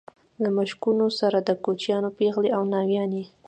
له مشکونو سره د کوچیانو پېغلې او ناويانې.